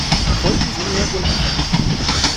Folgen Sie mir unauffällig.